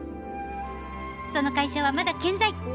その会社はまだ健在。